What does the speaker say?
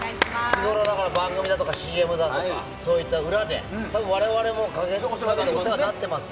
番組だとか、ＣＭだとかそういった裏で多分、我々もお世話になっています。